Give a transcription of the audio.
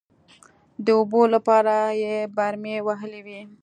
د اوبو لپاره يې برمې وهلې وې.